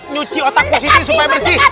nyuci otak positi supaya bersih